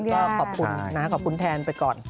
ก็ขอบคุณนะขอบคุณแทนไปก่อน